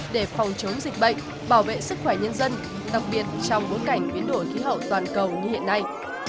để phòng chống dịch bệnh bảo vệ sức khỏe nhân dân đặc biệt trong bối cảnh biến đổi khí hậu toàn cầu như hiện nay